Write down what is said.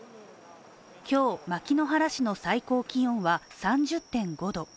今日、牧之原市の最高気温は３０．５度。